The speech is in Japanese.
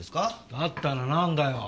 だったらなんだよ。